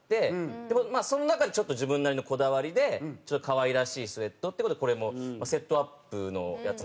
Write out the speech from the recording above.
でもまあその中でちょっと自分なりのこだわりでちょっと可愛らしいスウェットって事でこれもセットアップのやつなんですけど上下。